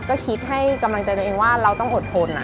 ก็คิดให้กำลังใจตัวเองว่าเราต้องอดทน